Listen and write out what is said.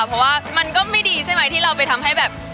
เพราะว่ามันก็ไม่ดีใช่ไหมที่เราไปทำให้แบบ